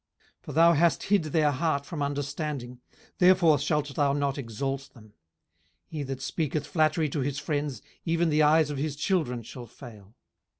18:017:004 For thou hast hid their heart from understanding: therefore shalt thou not exalt them. 18:017:005 He that speaketh flattery to his friends, even the eyes of his children shall fail.